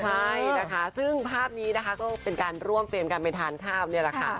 ใช่นะคะซึ่งภาพนี้นะคะก็เป็นการร่วมเฟรมกันไปทานข้าวนี่แหละค่ะ